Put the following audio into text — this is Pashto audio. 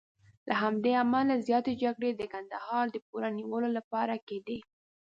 له همدې امله زیاتې جګړې د کندهار د پوره نیولو لپاره کېدې.